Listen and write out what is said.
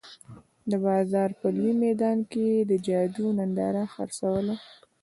د بازار په لوی میدان کې یې د جادو ننداره خرڅوله.